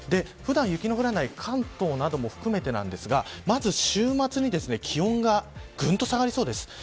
普段、雪の降らない関東なども含めてですがまず週末に気温がぐんと下がりそうです。